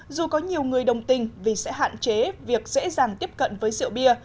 dù có nhiều người đồng tình vì sẽ hạn chế việc dễ dàng tiếp cận với rượu bia